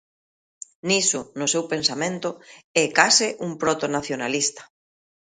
Niso, no seu pensamento, é case un protonacionalista.